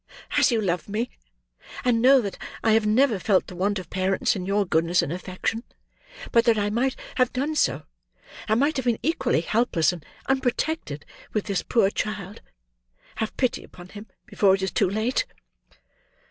as you love me, and know that I have never felt the want of parents in your goodness and affection, but that I might have done so, and might have been equally helpless and unprotected with this poor child, have pity upon him before it is too late!"